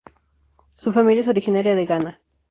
Su familia es originaria de Ghana.